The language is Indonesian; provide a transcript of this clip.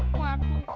waduh kacau urusan